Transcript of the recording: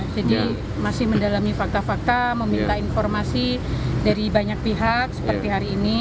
jadi masih mendalami fakta fakta meminta informasi dari banyak pihak seperti hari ini